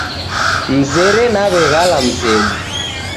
Mzere naw'eghala mzedu.